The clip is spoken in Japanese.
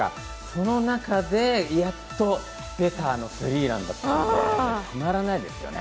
その中で、やっと出たスリーランだったのでたまらないですよね。